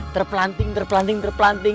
terpelanting terpelanting terpelanting